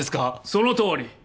そのとおり。